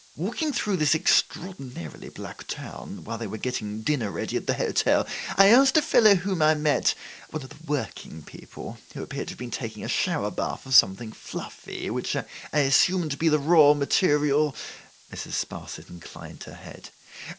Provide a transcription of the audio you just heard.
Walking through this extraordinarily black town, while they were getting dinner ready at the hotel, I asked a fellow whom I met; one of the working people; who appeared to have been taking a shower bath of something fluffy, which I assume to be the raw material—' Mrs. Sparsit inclined her head.